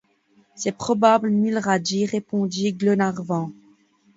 C’est probable, Mulrady, répondit Glenarvan.